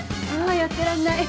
あやってらんない。